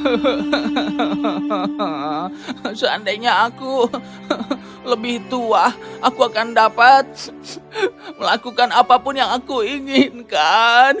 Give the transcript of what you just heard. hahaha seandainya aku lebih tua aku akan dapat melakukan apapun yang aku inginkan